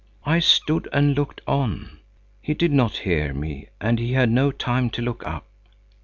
I stood and looked on. He did not hear me, and he had no time to look up.